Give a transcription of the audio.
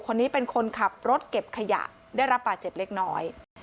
คนนี้เป็นคนขับรถเก็บขยะได้รับบาดเจ็บเล็กน้อย